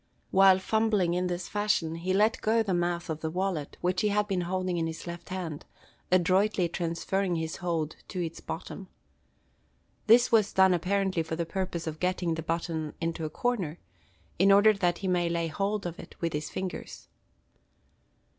While fumbling in this fashion he let go the mouth of the wallet, which he had been holding in his left hand, adroitly transferring his hold to its bottom. This was done apparently for the purpose of getting the button into a corner, in order that he might lay hold of it with his fingers.